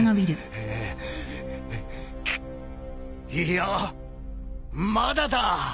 いやまだだ！